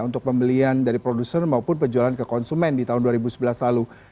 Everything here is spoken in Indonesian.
untuk pembelian dari produsen maupun penjualan ke konsumen di tahun dua ribu sebelas lalu